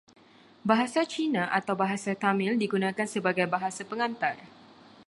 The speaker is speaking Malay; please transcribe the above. Bahasa Cina atau Bahasa Tamil digunakan sebagai bahasa pengantar.